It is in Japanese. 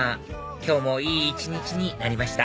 今日もいい一日になりました